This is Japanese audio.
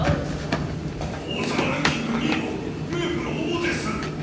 王様ランキング２位の冥府の王です！